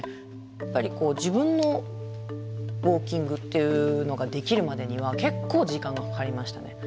やっぱりこう自分のウォーキングっていうのができるまでには結構時間がかかりましたね。